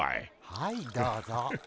はいどうぞ。